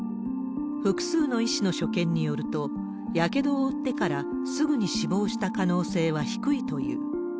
複数の医師の所見によると、やけどを負ってからすぐに死亡した可能性は低いという。